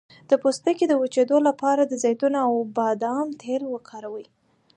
د پوستکي د وچیدو لپاره د زیتون او بادام تېل وکاروئ